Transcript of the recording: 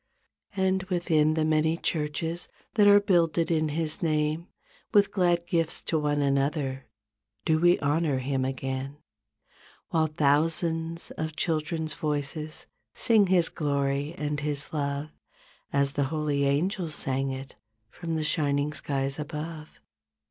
44 And within the many churches That are builded in His name, With glad gifts to one another Do we honor Him again While thousands of children's voices Sing His glory and His love As the holy angels sang it From the shining skies above.